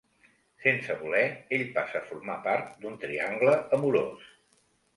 Sense voler, ell passa a formar part d'un triangle amorós.